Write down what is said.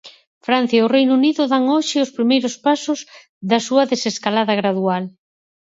Francia e o Reino Unido dan hoxe os primeiros pasos da súa desescalada gradual.